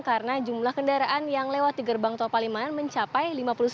karena jumlah kendaraan yang lewat di gerbang tol paliman mencapai lima puluh sembilan